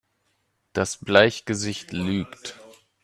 Das Bleichgesicht lügt!